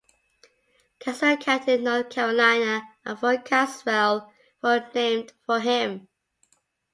Caswell County, North Carolina, and Fort Caswell were named for him.